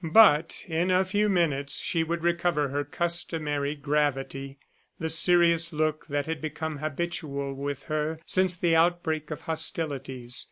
But in a few minutes she would recover her customary gravity, the serious look that had become habitual with her since the outbreak of hostilities.